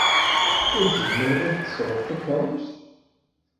Ur tezmireḍ ad d-tesɣeḍ takeṛṛust?